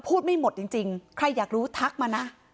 ไม่หมดจริงใครอยากรู้ทักมานะ